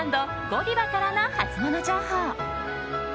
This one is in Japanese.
ゴディバからのハツモノ情報。